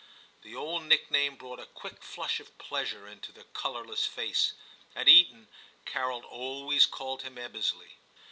* The old nickname brought a quick flush of pleasure into the colourless face ; at Eton Carol always called him * Ebbesley.